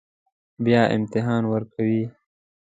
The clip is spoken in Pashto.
بیا امتحان ورکوئ